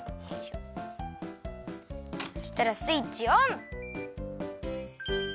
そしたらスイッチオン！